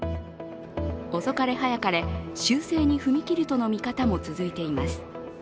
遅かれ早かれ修正に踏み切るとの見方も続いています。